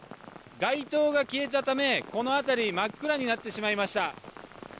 街灯が消えたため、この辺り真っ暗になってしまいました。